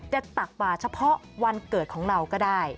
ตักบาทเฉพาะวันเกิดของเราก็ได้